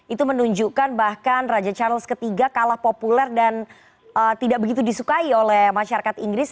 itu menunjukkan bahkan raja charles iii kalah populer dan tidak begitu disukai oleh masyarakat inggris